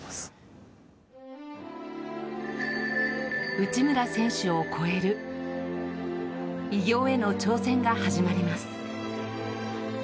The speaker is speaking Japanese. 内村選手を超える偉業への挑戦が始まります。